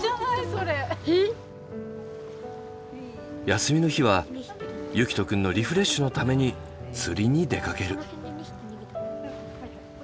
休みの日は結希斗くんのリフレッシュのために釣りに出かける。